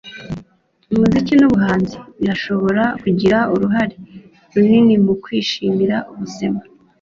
umuziki nubuhanzi birashobora kugira uruhare runini mu kwishimira ubuzima